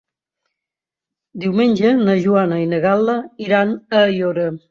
Diumenge na Joana i na Gal·la iran a Aiora.